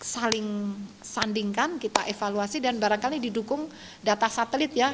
saling sandingkan kita evaluasi dan barangkali didukung data satelit ya